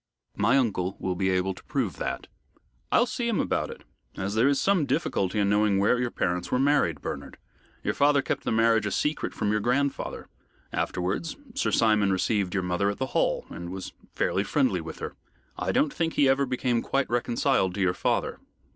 "My uncle will be able to prove that." "I'll see him about it, as there is some difficulty in knowing where your parents were married, Bernard. Your father kept the marriage a secret from you grandfather. Afterwards, Sir Simon received your mother at the Hall, and was fairly friendly with her. I don't think he ever became quite reconciled to your father."